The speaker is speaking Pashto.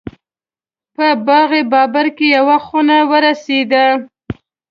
په باغ بابر کې یوه خونه ورسېده.